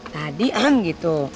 tadi eng gitu